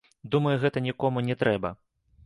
Думаю, гэта нікому не трэба.